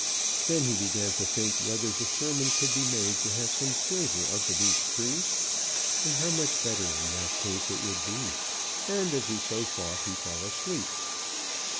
Then he began to think whether the sermon could be made to have some flavour of the beech trees, and how much better in that case it would be, and as he so thought he fell asleep.